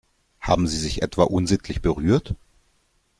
Haben sie sich etwa unsittlich berührt?